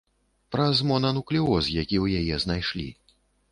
Праз монануклеоз, які ў яе знайшлі.